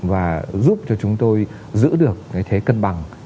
và giúp cho chúng tôi giữ được cái thế cân bằng